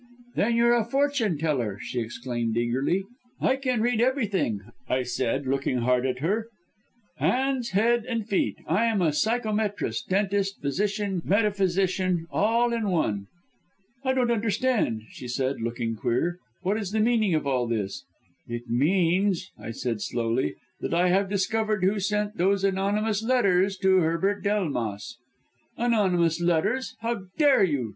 "'Then you're a fortune teller!' she exclaimed eagerly, 'can you read hands?' "'I can read everything,' I said looking hard at her, 'hands, head, and feet. I am psychometrist, dentist, physician, metaphysician all in one!' "'I don't understand,' she said looking queer, 'what is the meaning of all this?' "'It means,' I said slowly, 'that I have discovered who sent those anonymous letters to Herbert Delmas!' "'Anonymous letters! how dare you!'